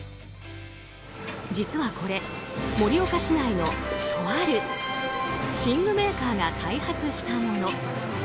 実はこれ、盛岡市内のとある寝具メーカーが開発したもの。